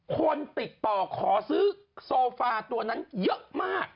คนติดต่อขอซื้อโซฟาตัวนั้นเยอะมาก